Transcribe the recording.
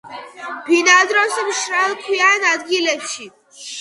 ბინადრობს მშრალ, ქვიან ადგილებში.